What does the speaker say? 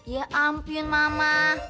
ya ampun mama